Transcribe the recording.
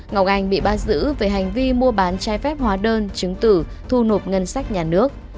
ngọc anh bị bắt giữ về hành vi mua bán trái phép hóa đơn chứng tử thu nộp ngân sách nhà nước